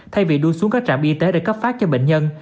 thay vì đưa xuống các trạm y tế để cấp phát cho bệnh nhân